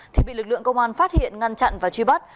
thì bị lực lượng công an phát hiện ngăn chặn và truy bắt